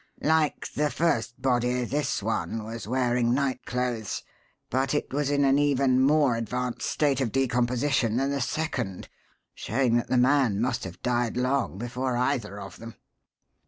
Like the first body, this one was wearing night clothes; but it was in an even more advanced state of decomposition than the second, showing that the man must have died long before either of them!"